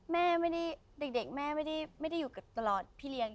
แม่ไปเด็กแม่ไม่ได้อยู่ตลอดพี่เลี้ยง